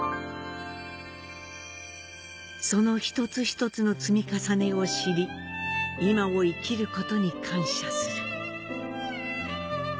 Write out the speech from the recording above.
その一つ一つの積み重ねを知り今を生きることに感謝する。